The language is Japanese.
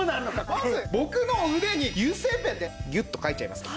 まず僕の腕に油性ペンでギュッと書いちゃいます。